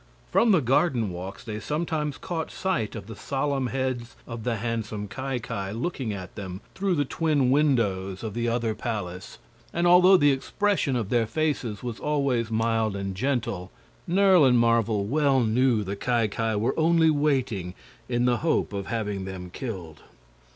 From the garden walks they sometimes caught sight of the solemn heads of the handsome Ki Ki looking at them through the twin windows of the other palace, and although the expression of their faces was always mild and gentle, Nerle and Marvel well knew the Ki Ki were only waiting in the hope of having them killed.